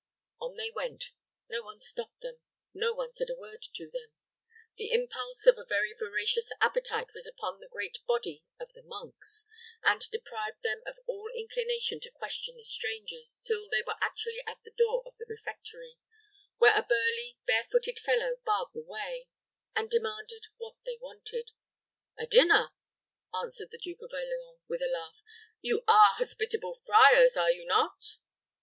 On they went; no one stopped them no one said a word to them. The impulse of a very voracious appetite was upon the great body of the monks, and deprived them of all inclination to question the strangers, till they were actually at the door of the refectory, where a burly, barefooted fellow barred the way, and demanded what they wanted. "A dinner," answered the Duke of Orleans, with a laugh. "You are hospitable friars, are you not?"